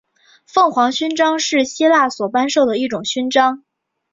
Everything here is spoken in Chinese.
凤凰勋章是希腊所颁授的一种勋章。